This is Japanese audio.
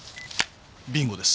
ビンゴです。